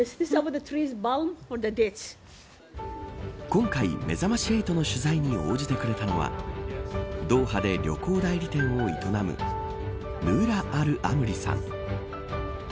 今回、めざまし８の取材に応じてくれたのはドーハで旅行代理店を営むヌーラ・アル・アムリさん。